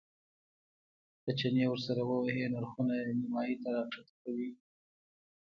که چنې ورسره ووهې نرخونه نیمایي ته راښکته کوي.